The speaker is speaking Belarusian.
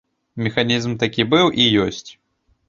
Механізм такі быў і ёсць.